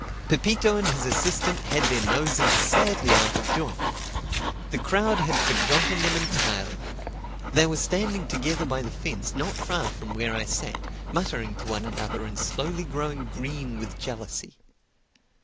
Pepito and his assistant had their noses sadly out of joint. The crowd had forgotten them entirely. They were standing together by the fence not far from where I sat, muttering to one another and slowly growing green with jealousy.